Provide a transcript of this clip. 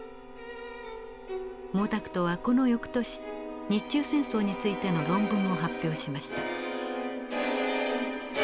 毛沢東はこの翌年日中戦争についての論文を発表しました。